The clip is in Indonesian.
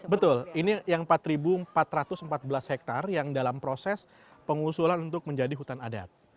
betul ini yang empat empat ratus empat belas hektare yang dalam proses pengusulan untuk menjadi hutan adat